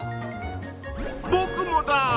ぼくもだ！